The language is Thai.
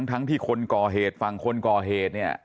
ทั้งที่คนก่อเหตุฝั่งคนก่อเหตุเนี่ย